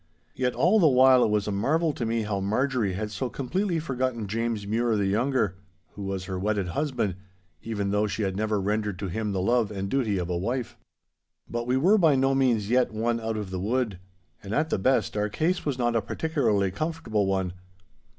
Yet all the while it was a marvel to me how Marjorie had so completely forgotten James Mure the younger, who was her wedded husband, even though she had never rendered to him the love and duty of a wife. But we were by no means yet won out of the wood. And, at the best, our case was not a particularly comfortable one.